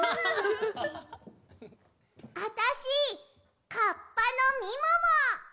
あたしカッパのみもも！